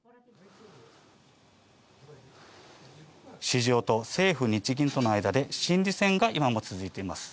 市場と政府・日銀との間で心理戦が今も続いています。